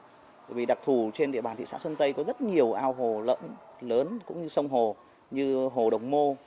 tại vì đặc thù trên địa bàn thị xã sân tây có rất nhiều ao hồ lớn cũng như sông hồ như hồ đồng mô